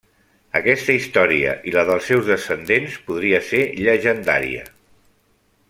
Aquesta història i la dels seus descendents podria ser llegendària.